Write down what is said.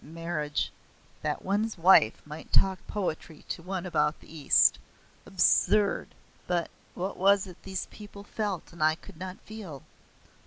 Marriage that one's wife might talk poetry to one about the East! Absurd! But what was it these people felt and I could not feel?